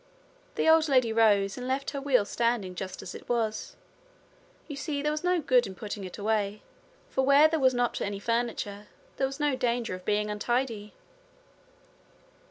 The old lady rose, and left her wheel standing just as it was. You see there was no good in putting it away, for where there was not any furniture there was no danger of being untidy.